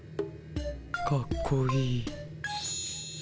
かっこいい。